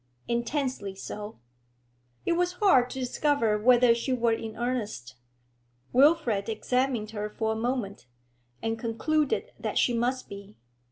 'Intensely so.' It was hard to discover whether she were in earnest. Wilfrid examined her for a moment, and concluded that she must be.